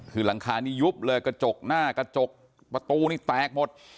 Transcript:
คือหลังคานี้ยุบเลยกระจกหน้ากระจกประตูนี่แตกหมด